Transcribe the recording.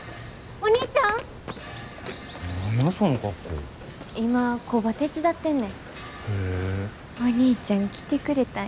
お兄ちゃん来てくれたんやな。